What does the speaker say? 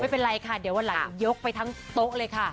ไม่เป็นไรค่ะเดี๋ยววันหลังยกไปทั้งโต๊ะเลยค่ะ